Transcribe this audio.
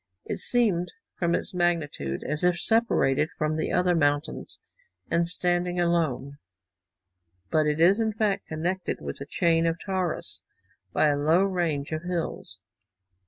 It seemed, from its magnitude, as if separated from the other mountains, and standing alone; but it is in fact, connected with the chain of Taurus by a low range of hills.